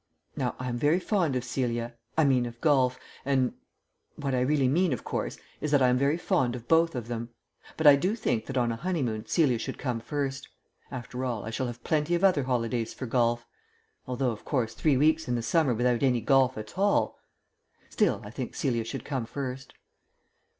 Now I am very fond of Celia I mean of golf, and what I really mean, of course, is that I am very fond of both of them. But I do think that on a honeymoon Celia should come first. After all, I shall have plenty of other holidays for golf ... although, of course, three weeks in the summer without any golf at all Still, I think Celia should come first.